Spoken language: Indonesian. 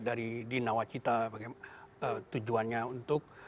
secara median dengan pendindakan ketercayaan terhadap anggaran yang ditengkapkan maksudnya